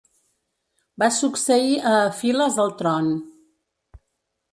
Va succeir a Afiles al tron.